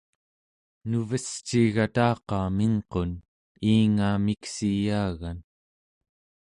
nuvesciigataqa mingqun iinga miksiyaagan